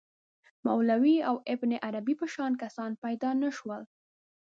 مولوی او ابن عربي په شان کسان پیدا نه شول.